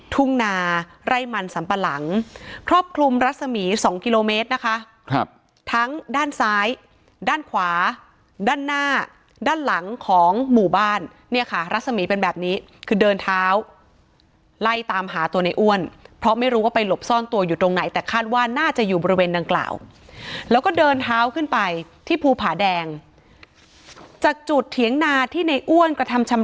ทุ่งนาไร่มันสัมปะหลังครอบคลุมรัศมีสองกิโลเมตรนะคะครับทั้งด้านซ้ายด้านขวาด้านหน้าด้านหลังของหมู่บ้านเนี่ยค่ะรัศมีเป็นแบบนี้คือเดินเท้าไล่ตามหาตัวในอ้วนเพราะไม่รู้ว่าไปหลบซ่อนตัวอยู่ตรงไหนแต่คาดว่าน่าจะอยู่บริเวณดังกล่าวแล้วก็เดินเท้าขึ้นไปที่ภูผาแดงจากจุดเถียงนาที่ในอ้วนกระทำชำ